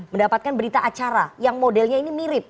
mendapatkan berita acara yang modelnya ini mirip